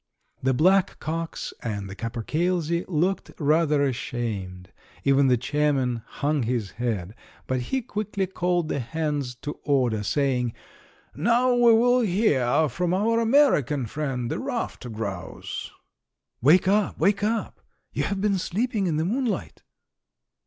The black cocks and the capercailzie looked rather ashamed; even the chairman hung his head, but he quickly called the hens to order, saying: "Now we will hear from our American friend, the ruffed grouse." "Wake up! Wake up! You have been sleeping in the moonlight!"